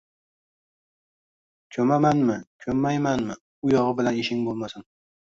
Ko‘mamanmi, ko‘mmaymanmi, uyog‘i bilan ishlaring bo‘lmasin!